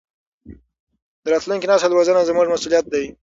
د راتلونکي نسل روزنه زموږ مسؤلیت دی.